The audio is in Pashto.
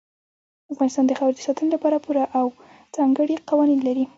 افغانستان د خاورې د ساتنې لپاره پوره او ځانګړي قوانین لري.